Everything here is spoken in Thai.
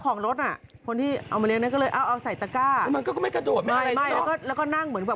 เออเราเอามาเลี้ยงต้องไปดูมันไงเนอะ